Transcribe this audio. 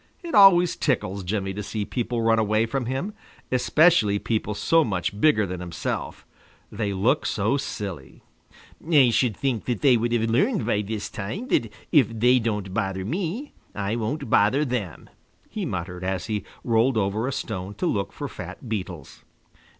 It always tickles Jimmy to see people run away from him, especially people so much bigger than himself; they look so silly. "I should think that they would have learned by this time that if they don't bother me, I won't bother them," he muttered, as he rolled over a stone to look for fat beetles.